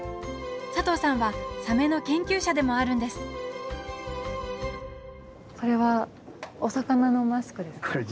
佐藤さんはサメの研究者でもあるんですこれはお魚のマスクですか。